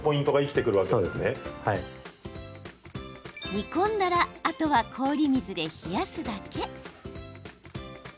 煮込んだらあとは氷水で冷やすだけ。